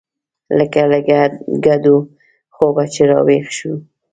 لکه له ګډوډ خوبه چې راويښ سې.